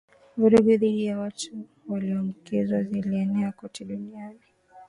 vurugu dhidi ya watu waliyoambukizwa zilieneo kote duniani